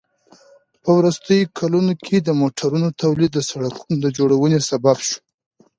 په وروستیو کلونو کې د موټرونو تولید د سړکونو د جوړونې سبب شو.